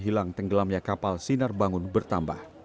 kepala korban yang tenggelamnya kapal sinar bangun bertambah